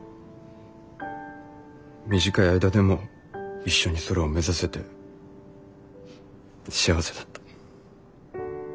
短い間でも一緒に空を目指せて幸せだった。